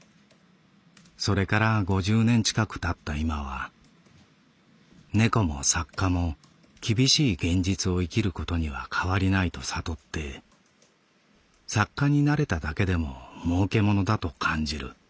それから五十年近く経ったいまは猫も作家も厳しい現実を生きることにはかわりないと悟って作家になれただけでも儲けものだと感じる」。